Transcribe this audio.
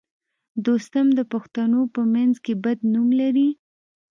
دوستم د پښتنو په منځ کې بد نوم لري